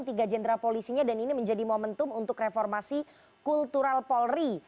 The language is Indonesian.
tiga jenderal polisinya dan ini menjadi momentum untuk reformasi kultural polri